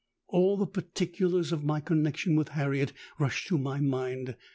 All the particulars of my connexion with Harriet rushed to my mind.